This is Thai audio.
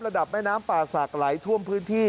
ระดับแม่น้ำป่าศักดิ์ไหลท่วมพื้นที่